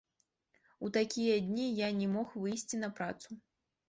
У такія дні я не мог выйсці на працу.